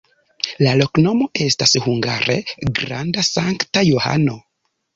La loknomo estas hungare: granda-Sankta Johano.